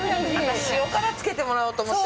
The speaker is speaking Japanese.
私塩辛つけてもらおうと思って。